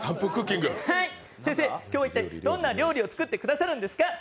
はい、先生、今日は一体どんな料理を作ってくださるんですか？